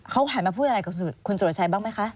เขาหันมาพูดอะไรกับคุณสุรชัยบ้างไหมคะ